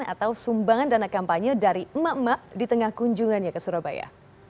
atau sumbangan dana kampanye dari emak emak di tengah kunjungannya ke surabaya